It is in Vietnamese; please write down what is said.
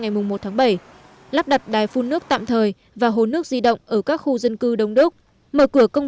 ngày một tháng bảy lắp đặt đài phun nước tạm thời và hồ nước di động ở các khu dân cư đông đúc mở cửa công